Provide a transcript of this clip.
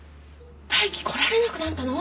大樹来られなくなったの？